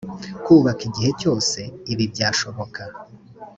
kubaka igihe cyose ibi byashoboka